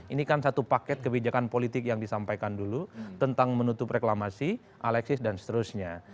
ini kan satu paket kebijakan politik yang disampaikan dulu tentang menutup reklamasi alexis dan seterusnya